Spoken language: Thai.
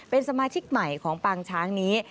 เป็นสมาชิกใหม่ของปางช้างนี้